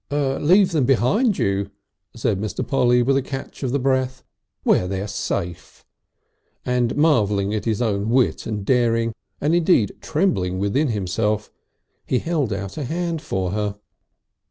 "Leave them behind you," said Mr. Polly with a catch of the breath, "where they are safe"; and marvelling at his own wit and daring, and indeed trembling within himself, he held out a hand for her.